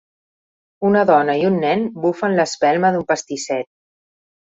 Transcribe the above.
Una dona i un nen bufen l'espelma d'un pastisset.